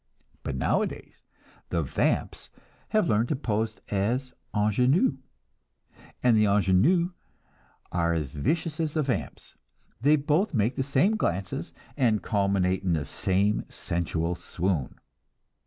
But now a days the "vamps" have learned to pose as "ingenues," and the "ingenues" are as vicious as the "vamps"; they both make the same glances, and culminate in the same sensual swoon.